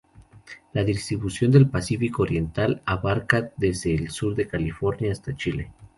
La distribución del Pacífico oriental abarca desde el sur de California hasta Chile.